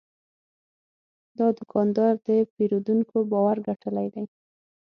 دا دوکاندار د پیرودونکو باور ګټلی دی.